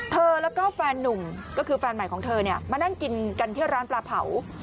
เธอแล้วก็แฟนนุ่มก็คือแฟนใหม่ของเธอมานั่งกินกันที่ร้านปลาเผา